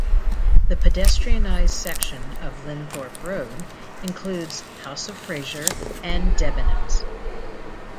The pedestrianised section of Linthorpe Road includes House of Fraser and Debenhams.